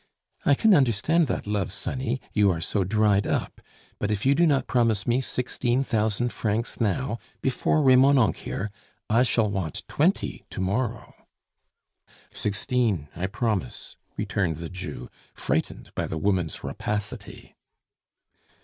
"I can understand that love, sonny, you are so dried up. But if you do not promise me sixteen thousand francs now, before Remonencq here, I shall want twenty to morrow." "Sixteen; I promise," returned the Jew, frightened by the woman's rapacity.